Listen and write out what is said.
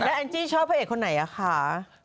แล้วอันจี้ชอบเพราะเอกคนไหนคะ